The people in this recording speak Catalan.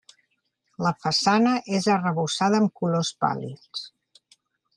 La façana és arrebossada amb colors pàl·lids.